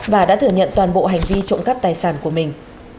và đã thừa nhận toàn bộ hành vi trộm cắp tài sản của mình